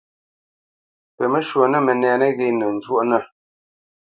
Paməshwɔ̌ nə́ mənɛ̂ nə́ghé tə́ njúʼnə́.